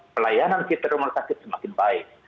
pelayanan kita rumah sakit semakin baik